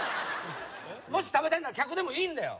もし食べたいなら客でもいいんだよ